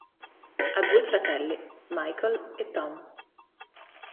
Ha due fratelli, Michael e Tom.